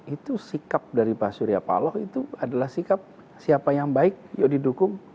itu sikap dari pak surya paloh itu adalah sikap siapa yang baik yuk didukung